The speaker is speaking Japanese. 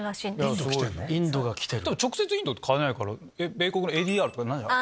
直接インドって買えないから米国のＡＤＲとかになる？